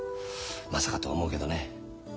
まさかとは思うけどね。